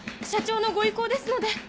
社長のご意向ですので。